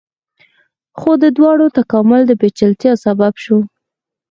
خو د دواړو تکامل د پیچلتیا سبب شو.